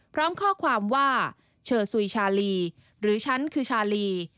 พร้อมข้อความว่าเชอสุยชาลีหรือฉันคือชาลี